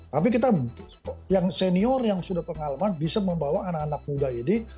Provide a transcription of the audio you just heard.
tapi kita yang senior yang sudah pengalaman bisa membawa anak anak muda ini